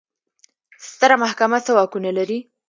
ستره محکمه څه واکونه لري؟